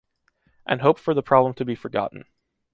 And hope for the problem to be forgotten.